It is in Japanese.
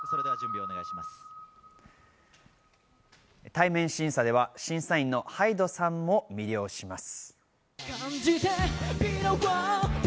対面審査では審査員のＨＹＤＥさんも魅了します。